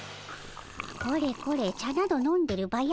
これこれ茶など飲んでるバヤ